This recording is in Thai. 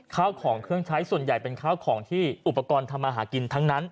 ข้าวของเครื่องใช้ส่วนใหญ่เป็นข้าวของที่อุปกรณ์ทำมาหากินทั้งนั้น